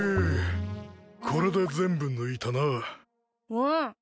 うん。